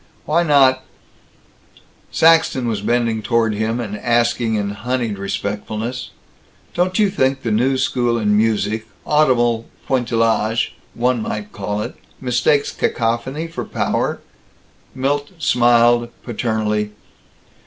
Why not Saxton was bending toward him, asking in honeyed respectfulness: "Don't you think that the new school in music audible pointillage, one might call it mistakes cacophony for power?" Milt smiled, paternally.